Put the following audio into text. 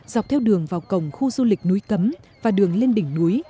dọc theo đường vào cổng khu du lịch núi cấm và đường lên đỉnh núi